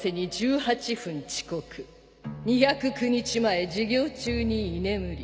２０９日前授業中に居眠り。